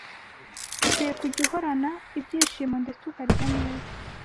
Ukwiye kujya uhorana ibyishimo ndetse ukarya neza